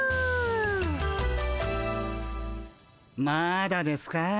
まだですか？